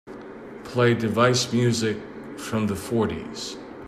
Play Device music from the fourties.